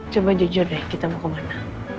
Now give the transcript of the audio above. coba jujur deh kita mau kemana